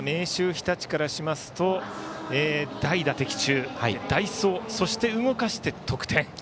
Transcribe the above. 日立からしますと代打的中、代走そして動かして得点。